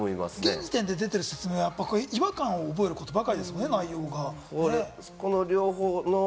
現時点で出てる説明は違和感を覚えることばかりですもんね。